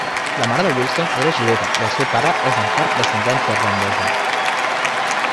La mare de Wilson era jueva, i el seu pare és en part d'ascendència irlandesa.